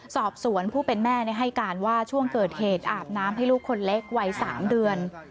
สอบสวนผู้เป็นแม่ให้การว่าช่วงเกิดเหตุอาบน้ำให้ลูกคนเล็กวัย๓เดือน